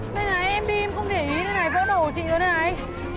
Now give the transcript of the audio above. đây này em đi em không để ý đây này vỡ đồ của chị nữa đây này